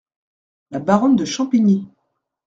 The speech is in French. La Baronne de Champigny .